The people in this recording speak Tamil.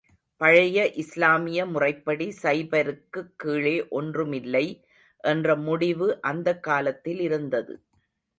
பழைய இஸ்லாமிய முறைப்படி, சைபருக்குக் கீழே ஒன்றுமில்லை என்ற முடிவு அந்தக் காலத்தில் இருந்தது.